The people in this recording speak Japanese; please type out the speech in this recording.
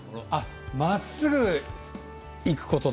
まっすぐいくことだ。